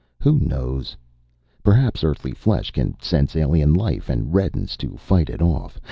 Who knows? Perhaps Earthly flesh can sense alien life, and reddens to fight it off.